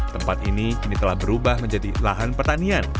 tempat ini kini telah berubah menjadi lahan pertanian